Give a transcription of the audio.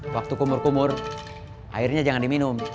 waktu kumur kumur airnya jangan diminum